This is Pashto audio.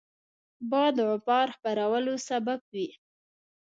باد د غبار خپرولو سبب وي